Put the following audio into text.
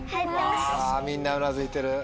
みんなうなずいてる。